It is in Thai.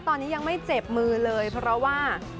ตอนนี้ยังไม่เจ็บมือเลยเพราะว่า